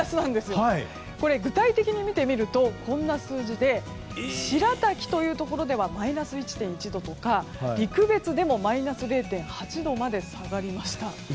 具体的に見てみるとこんな数字で白滝というところではマイナス１．１度とか陸別でもマイナス０．８度まで下がりました。